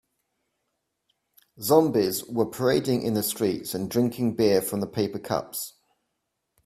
Zombies were parading in the streets and drinking beer from paper cups.